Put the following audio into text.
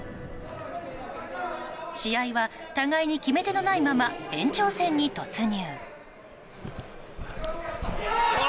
試合は互いに決め手のないまま延長戦に突入。